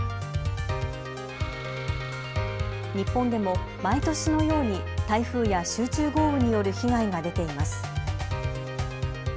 日本でも毎年のように台風や集中豪雨による被害が出ています。